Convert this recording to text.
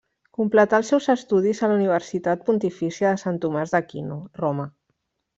Completà els seus estudis a la Universitat Pontifícia de Sant Tomàs d'Aquino, Roma.